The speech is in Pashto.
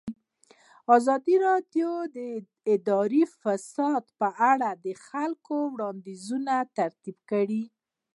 ازادي راډیو د اداري فساد په اړه د خلکو وړاندیزونه ترتیب کړي.